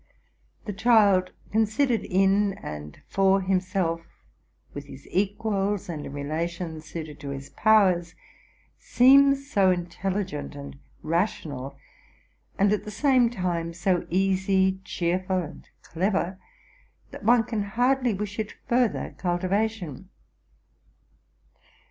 The child, considered in and for himself, with his equals, and in relations suited to his powers, seems so intelligent and rational, and at the same time so easy, cheerful, and clever, that one can hardly wish it further cultivation.